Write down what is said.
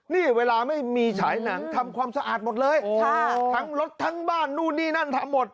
นี่เวลาไม่มีฉายหนังทำความสะอาดหมดเลยทั้งรถทั้งบ้านนู่นนี่นั่นทำหมด